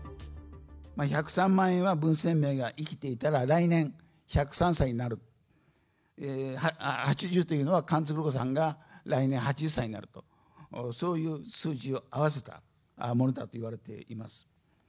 １０３万円は文鮮明が生きていたら来年１０３歳になる、８０というのは韓鶴子さんが来年８０歳になる、そういう数字を合わせたものだといわれています。